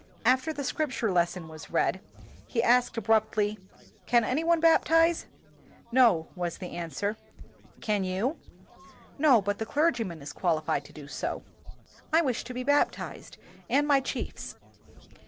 After the Scripture lesson was read, he asked abruptly, "Can any one baptize?" "No," was the answer. "Can you?" "No, but the clergyman is qualified to do so." "I wish to be baptized and my chiefs." Mr.